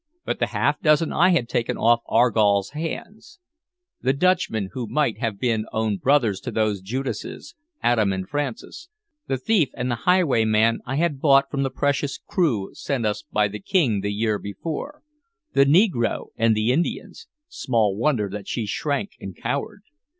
But the half dozen I had taken off Argall's hands; the Dutchmen who might have been own brothers to those two Judases, Adam and Francis; the thief and the highwayman I had bought from the precious crew sent us by the King the year before; the negro and the Indians small wonder that she shrank and cowered.